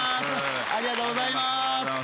ありがとうございます。